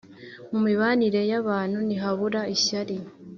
Mu mibanire y’abantu ntihabura ishyari